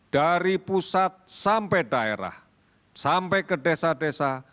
dari pusat sampai daerah sampai ke desa desa